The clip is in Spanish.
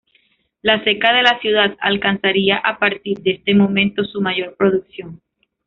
La ceca de la ciudad alcanzaría a partir de este momento su mayor producción.